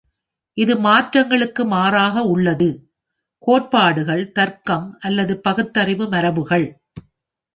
இது மாற்றுகளுக்கு மாறாக உள்ளது: கோட்பாடுகள், தர்க்கம் அல்லது பகுத்தறிவு மரபுகள்.